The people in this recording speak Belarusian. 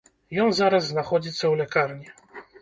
Ён зараз знаходзіцца ў лякарні.